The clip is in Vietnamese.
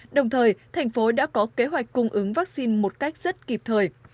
đồng thời thành phố đã có kế hoạch cung ứng vaccine một cách rất kịp thời